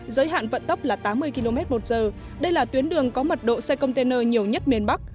giới hạn vận tốc là tám mươi km một giờ đây là tuyến đường có mật độ xe container nhiều nhất miền bắc